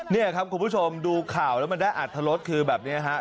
นี่ครับคุณผู้ชมดูข่าวแล้วมันได้อัธรสคือแบบนี้ฮะ